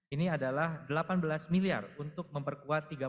ini adalah rp delapan belas miliar untuk memperkuat rp tiga puluh miliar